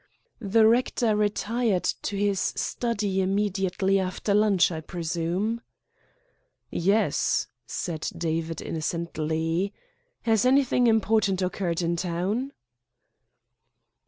"The rector retired to his study immediately after lunch, I presume?" "Yes," said David innocently. "Has anything important occurred in town?"